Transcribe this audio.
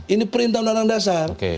ini perintah undang undang dasar